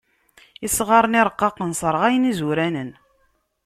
Isɣaṛen iṛqaqen sseṛɣayen izuranen.